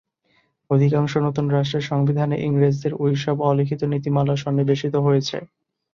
অধিকাংশ নতুন রাষ্ট্রের সংবিধানে ইংরেজদের ওইসব অলিখিত নীতিমালা সন্নিবেশিত হয়েছে।